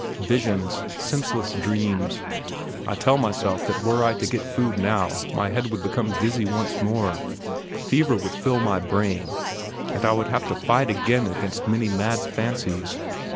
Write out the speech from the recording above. Visions; senseless dreams! I tell myself that were I to get food now my head would become dizzy once more, fever would fill my brain, and I would have to fight again against many mad fancies.